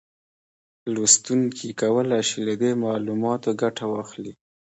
لوستونکي کولای شي له دې معلوماتو ګټه واخلي